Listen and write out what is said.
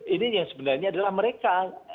ini yang sebenarnya adalah mereka